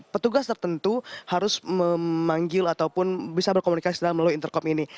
petugas tertentu harus memanggil ataupun bisa berkomunikasi dalam melalui intercom ini